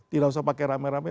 tidak usah pakai rame rame